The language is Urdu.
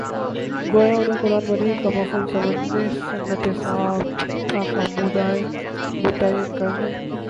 گویا انھیں قرآنِ مجیدکامفہوم سمجھنے، سنتِ ثابتہ کا مدعا متعین کرنے